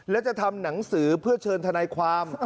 และจะทำหนังสือเพื่อเชิญทนายความ